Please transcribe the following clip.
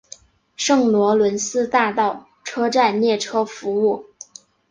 圣罗伦斯大道车站列车服务。